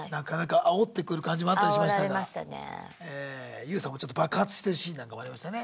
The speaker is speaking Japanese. ＹＯＵさんもちょっと爆発してるシーンなんかもありましたね。